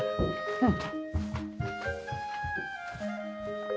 うん。